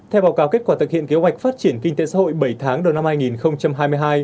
theo báo cáo kết quả thực hiện kế hoạch phát triển kinh tế xã hội bảy tháng đầu năm hai nghìn hai mươi hai